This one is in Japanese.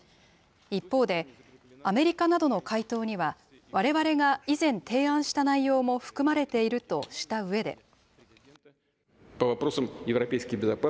一方で、アメリカなどの回答には、われわれが以前提案した内容も含まれているとしたうえで。